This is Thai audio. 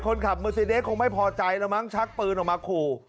คนขับมือซีเดสคงไม่พอใจแล้วมั้งชักปืนออกมาขู่